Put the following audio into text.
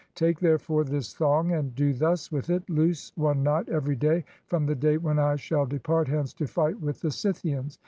Take, therefore, this thong, and do thus with it. Loose one knot every day, from the day when I shall depart hence to fight with the Scythians.